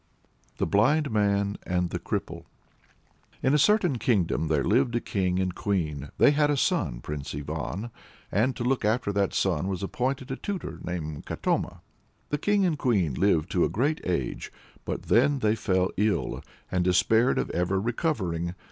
THE BLIND MAN AND THE CRIPPLE. In a certain kingdom there lived a king and queen; they had a son, Prince Ivan, and to look after that son was appointed a tutor named Katoma. The king and queen lived to a great age, but then they fell ill, and despaired of ever recovering.